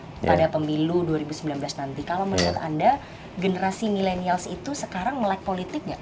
pada pemilu dua ribu sembilan belas nanti kalau menurut anda generasi milenials itu sekarang melek politik nggak